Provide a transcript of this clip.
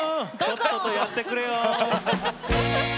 とっととやってくレオン。